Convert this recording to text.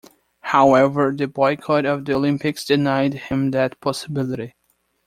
However the boycott of the Olympics denied him that possibility.